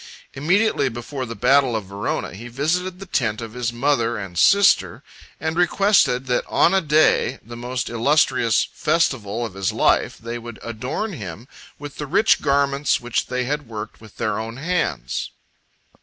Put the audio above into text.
Immediately before the battle of Verona, he visited the tent of his mother 19 and sister, and requested, that on a day, the most illustrious festival of his life, they would adorn him with the rich garments which they had worked with their own hands.